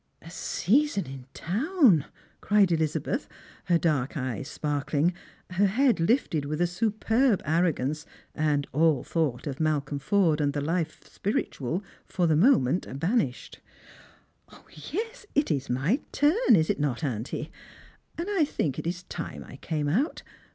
"A season in town," cried Elizabeth, her dark eyes sparkling, her head lifted with a superb arrogance, and all thought of Malcolm Forde and the life spiritual for the moment banished. "Yes, it is my turn, is it not, auntie? and I think it is time I came out.